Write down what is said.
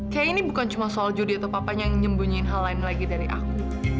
kayaknya ini bukan cuma soal judi atau papanya yang nyembunyiin hal lain lagi dari aku